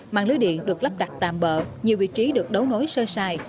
mạng lưới điện được lắp đặt tạm bỡ nhiều vị trí được đấu nối sơ sài